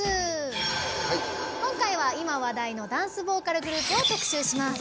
今回は今、話題のダンスボーカルグループを特集します。